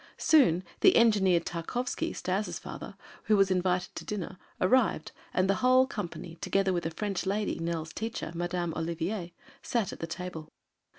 Soon, the engineer Tarkowski, Stas' father, who was invited to dinner arrived, and the whole company, together with a French lady, Nell's teacher, Madame Olivier, sat at the table.